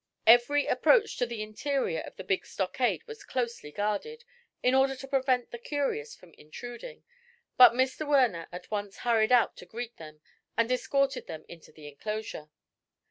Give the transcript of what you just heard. Every approach to the interior of the big stockade was closely guarded in order to prevent the curious from intruding, but Werner at once hurried out to greet them and escorted them into the enclosure.